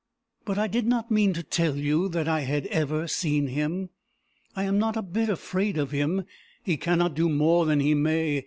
But I did not mean to tell you that I had ever seen him. I am not a bit afraid of him. He cannot do more than he may.